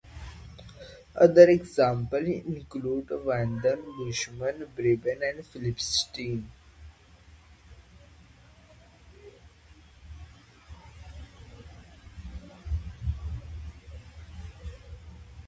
Other examples include Vandal, Bushman, Barbarian, and Philistine.